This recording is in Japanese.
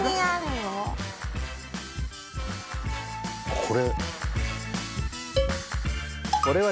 これ。